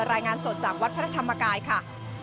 รายงานสดจากวัดพระธรรมกายค่ะ